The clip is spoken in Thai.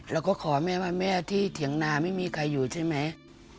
แล้วก็ขอแม่ที่เถียงนาไม่มีใครอยู่ใช่ไหม